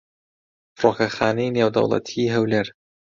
فڕۆکەخانەی نێودەوڵەتیی هەولێر